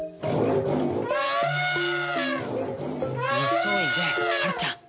急いではるちゃん！